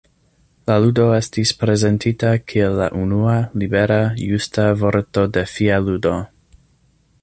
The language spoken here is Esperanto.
La ludo estis prezentita kiel la unua libera justa vorto-defia ludo.